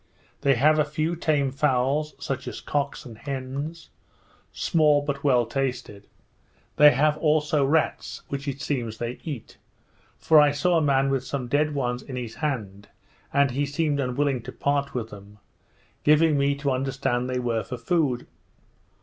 They have a few tame fowls, such as cocks and hens, small but well tasted. They have also rats, which it seems they eat; for I saw a man with some dead ones in his hand, and he seemed unwilling to part with them, giving me to understand they were for food.